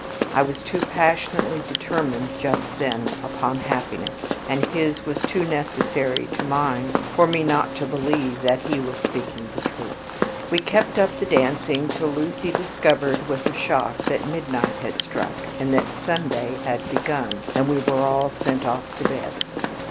I was too passionately determined just then upon happiness, and his was too necessary to mine for me not to believe that he was speaking the truth. We kept up the dancing till Lucy discovered with a shock that midnight had struck, and that Sunday had begun, and we were all sent off to bed.